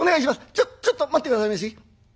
ちょっちょっと待って下さいまし。